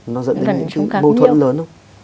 nó dẫn đến mâu thuẫn lớn không